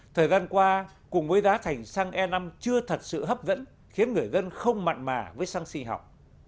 thời gian qua cùng với giá thành xăng e năm chưa thật sự hấp dẫn khiến người dân không mặn mà với xăng sinh học